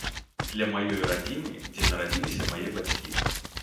Для маёй радзімы, дзе нарадзіліся мае бацькі.